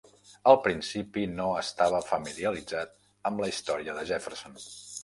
Al principi, no estava familiaritzat amb la història de Jefferson.